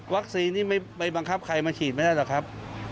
วัคซีนี่ไม่บังคับใครมาฉีดแน่นอนครับ